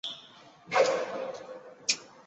属名是以化石发现地的埃布拉赫市为名。